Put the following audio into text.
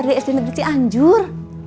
jennifer mendapat dst negeri cianjur